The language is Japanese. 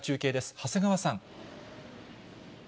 長谷川さん。